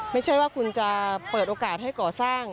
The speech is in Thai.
ไม่ใช่ว่าคุณจะเปิดโอกาสให้ก่อสร้าง